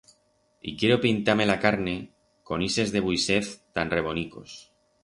Y quiero pintar-me la carne con ixes debuixez tan rebonicos.